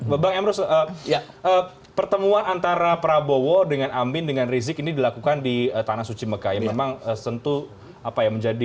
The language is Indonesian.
bapak bang emrus pertemuan antara prabowo dengan amin dengan rizik ini dilakukan di tanah suci mekah yang memang tentu apa ya menjadi